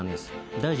大臣。